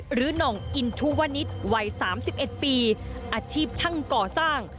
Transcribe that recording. หรือน่องอินทุวนิตวัยสามสิบเอ็ดปีอาชีพช่างก่อสร้าง